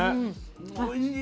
おいしい！